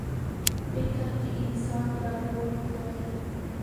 • فکر د انسان لارښود دی.